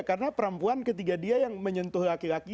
karena perempuan ketika dia yang menyentuh laki laki